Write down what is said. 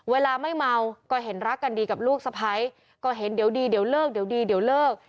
เวลาไม่เมาก็เห็นรักกันดีกับลูกสะพ้ายก็เห็นเดี๋ยวดีเดี๋ยวเลิกเดี๋ยวดีเดี๋ยวเลิก